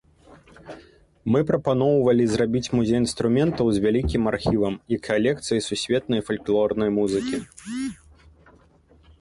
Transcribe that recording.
Мы прапаноўвалі зрабіць музей інструментаў з вялікім архівам і калекцыяй сусветнай фальклорнай музыкі.